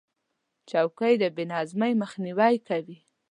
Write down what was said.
چوکۍ د بې نظمۍ مخنیوی کوي.